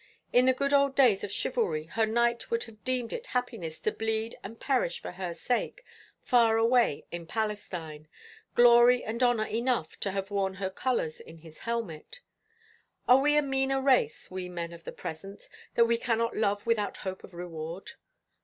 "In the good old days of chivalry her knight would have deemed it happiness to bleed and perish for her sake far away in Palestine glory and honour enough to have worn her colours in his helmet. Are we a meaner race, we men of the present, that we cannot love without hope of reward?